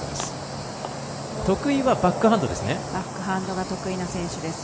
得意はバックハンドですね。